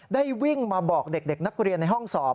ได้วิ่งมาบอกเด็กนักเรียนในห้องสอบ